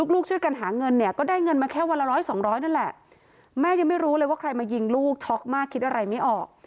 ลูกช่วยกันหาเงินเนี่ยก็ได้เงินมาแค่วันละร้อยสองร้อยนั่นแหละแม่ยังไม่รู้เลยว่าใครมายิงลูกช็อกมากคิดอะไรไม่ออก